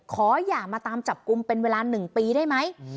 อย่ามาตามจับกลุ่มเป็นเวลา๑ปีได้ไหม